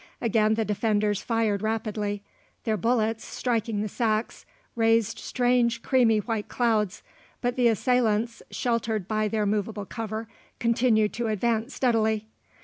Again the defenders fired rapidly. Their bullets, striking the sacks, raised strange creamy white clouds; but the assailants, sheltered by their movable cover, continued to advance steadily.